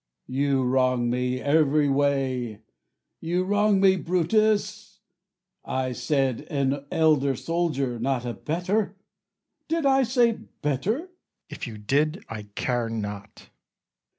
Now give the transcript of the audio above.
Cas. You wrong me every way; you wrong me, Brutus; I said, an elder soldier, not a better: Did I say "better"? Bru. If you did, I care not.